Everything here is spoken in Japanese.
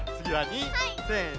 ２！